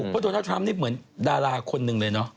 พระอันโทษธนาฬิบที่นี่เหมือนดาราคนนึงเลยเนอะ